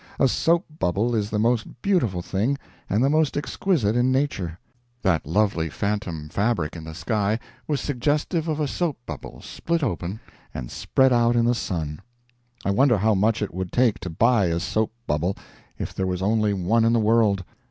A soap bubble is the most beautiful thing, and the most exquisite, in nature; that lovely phantom fabric in the sky was suggestive of a soap bubble split open, and spread out in the sun. I wonder how much it would take to buy a soap bubble, if there was only one in the world?